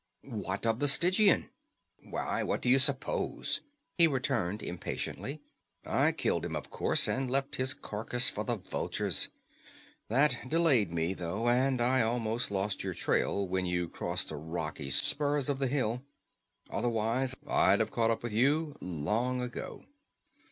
"What of the Stygian?" "Why, what do you suppose?" he returned impatiently. "I killed him, of course, and left his carcass for the vultures. That delayed me, though, and I almost lost your trail when you crossed the rocky spurs of the hills. Otherwise I'd have caught up with you long ago."